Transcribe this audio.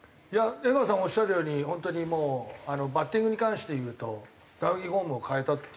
江川さんおっしゃるように本当にもうバッティングに関して言うと打撃フォームを変えたっていうところ。